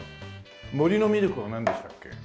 「森のミルク」はなんでしたっけ？